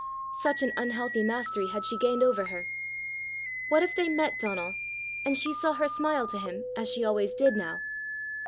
Such an unhealthy mastery had she gained over her! What if they met Donal, and she saw her smile to him as she always did now!